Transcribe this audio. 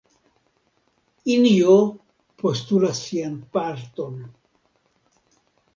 Injo postulas sian parton.